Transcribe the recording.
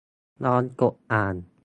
ลองกดอ่าน